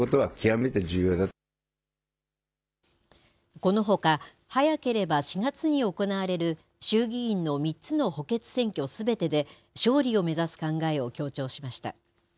このほか、早ければ４月に行われる衆議院の３つの補欠選挙すべてで勝利を目指す考えを強調しました。